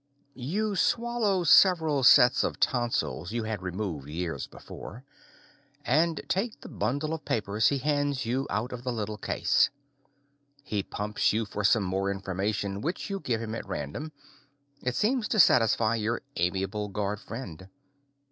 You swallow several sets of tonsils you had removed years before, and take the bundle of papers he hands you out of the little case. He pumps you for some more information, which you give him at random. It seems to satisfy your amiable guard friend.